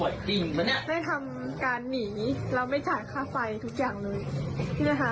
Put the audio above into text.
ได้ทำการหนีเราไม่จ่ายค่าไฟทุกอย่างเลย